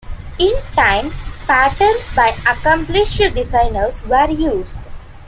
In time, patterns by accomplished designers were used.